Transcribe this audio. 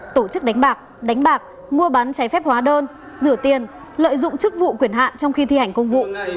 tổ chức đánh bạc đánh bạc mua bán trái phép hóa đơn rửa tiền lợi dụng chức vụ quyền hạn trong khi thi hành công vụ